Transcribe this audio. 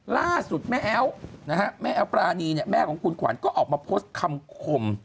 ล่าสุดแม่แอ๊วนะฮะแม่แอ๊วปรานีเนี่ยแม่ของคุณขวัญก็ออกมาโพสต์คำคม